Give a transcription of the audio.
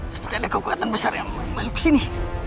seperti ada kekuatan besar yang mau masuk ke sini